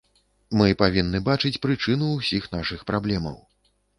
Мы павінны бачыць прычыну ўсіх нашых праблемаў.